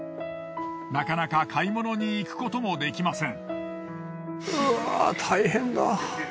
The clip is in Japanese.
なかなか買い物に行くこともできません。